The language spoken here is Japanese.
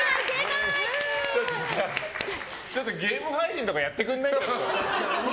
ゲーム配信とかやってくれない？